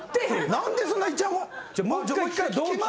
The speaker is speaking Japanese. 何でそんないちゃもん。